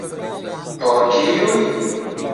Por kiuj?